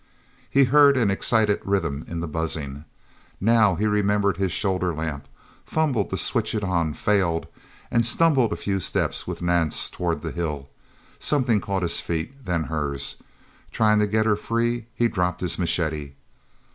He heard an excited rhythm in the buzzing. Now he remembered his shoulder lamp, fumbled to switch it on, failed, and stumbled a few steps with Nance toward the hill. Something caught his feet then hers. Trying to get her free, he dropped his machete...